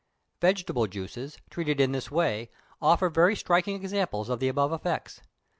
Vegetable juices, treated in this way, offer very striking examples of the above effects.